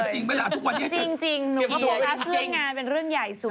จริงหนูก็โฟกัสเรื่องงานเป็นเรื่องใหญ่สุด